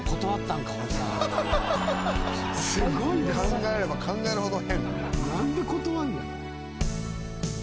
考えれば考えるほど変。